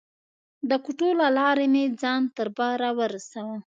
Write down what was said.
د کوټو له لارې مې ځان تر باره ورساوه.